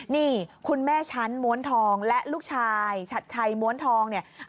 นี่คุณแม่ชั้นม้วนทองและลูกชายชัดชัยม้วนทองเนี่ย